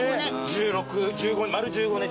１６丸１５年。